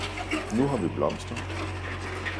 Nu har vi blomster!